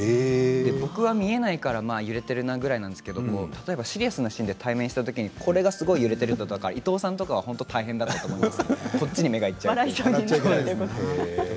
僕は見えないから揺れてるなぐらいなんですが例えばシリアスなシーンに対面したときにこれが揺れていると伊藤さんは本当に大変だったと思います